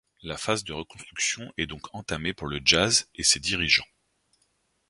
La phase de reconstruction est donc entamée pour le Jazz et ses dirigeants.